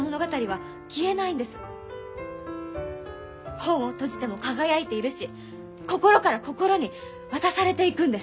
本を閉じても輝いているし心から心に渡されていくんです！